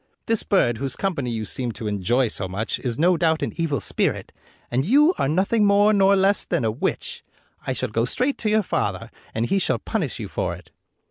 This bird, whose company you seem to enjoy so much, is no doubt an evil spirit, and you are nothing more nor less than a witch. I shall go straight to your father, and he shall punish you for it."